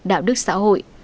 đạo đức xã hội